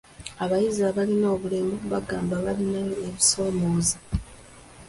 Abayizi abalina obulemu baagamba balinayo ebisoomooza.